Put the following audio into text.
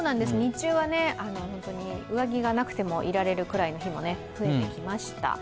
日中は本当に上着がなくてもいられる日も増えてきました。